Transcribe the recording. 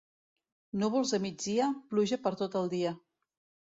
Núvols de migdia, pluja per tot el dia.